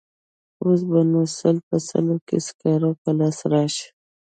اوس به نو سل په سلو کې سکاره په لاس راشي.